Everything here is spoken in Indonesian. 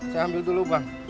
saya ambil dulu bang